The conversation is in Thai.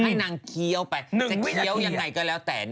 จะเคี้ยวยังไงก็แล้วแต่